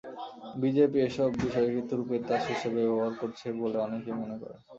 BJP এসব বিষয়কেই তুরুপের তাস হিসেবে ব্যবহার করছে বলে অনেকেই মনে করেন।